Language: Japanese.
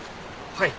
はい。